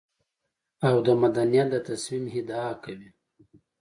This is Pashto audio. او د مدنيت د تصميم ادعا کوي.